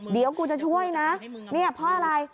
เดี๋ยวกูจะช่วยนะเนี่ยเพราะอะไร